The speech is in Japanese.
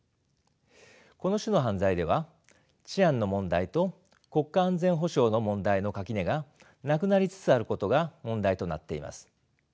この種の犯罪では治安の問題と国家安全保障の問題の垣根がなくなりつつあることが問題となっています。